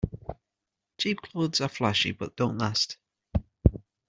Cheap clothes are flashy but don't last.